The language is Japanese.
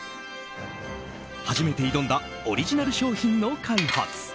初めて挑んだオリジナル商品の開発。